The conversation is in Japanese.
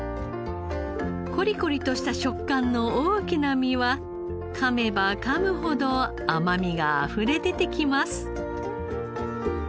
コリコリとした食感の大きな身はかめばかむほど甘みがあふれ出てきます。